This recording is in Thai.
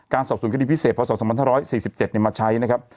การสอบสวนคดีพิเศษพศ๑๔๗มาใช้